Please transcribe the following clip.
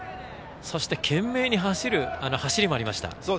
そして懸命に走るあの走りもありました。